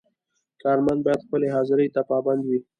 کارمند باید خپلې حاضرۍ ته پابند وي.